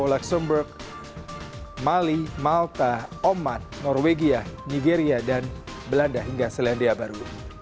laksumberg mali malta oman norwegia nigeria dan belanda hingga selandia baru